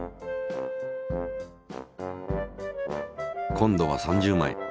今度は３０枚。